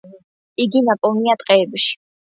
იგი ნაპოვნია ტყეებში.